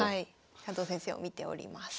加藤先生を見ております。